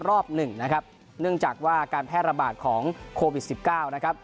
รอบหนึ่งนะครับเนื่องจากว่าการแพร่ระบาดของโควิด๑๙นะครับ